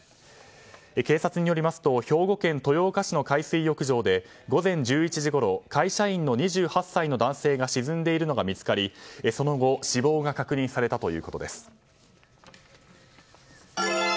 警察によりますと兵庫県豊岡市の海水浴場で午前１１時ごろ会社員の２８歳の男性が沈んでいるのが見つかり、その後死亡が確認されたということです。